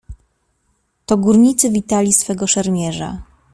"To górnicy witali swego szermierza."